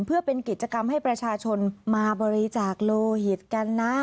เพื่อเป็นกิจกรรมให้ประชาชนมาบริจาคโลหิตกันนะ